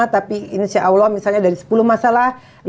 tapi insya allah misalnya dari sepuluh masalah